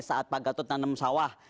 saat pak gatot nanam sawah